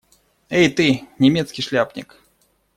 Эй ты, немецкий шляпник!